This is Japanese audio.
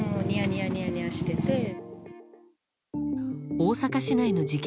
大阪市内の事件